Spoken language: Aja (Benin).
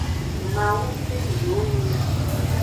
Mawu ve miwo nu.